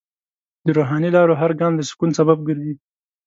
د روحاني لارو هر ګام د سکون سبب ګرځي.